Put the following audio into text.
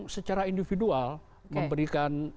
secara individual memberikan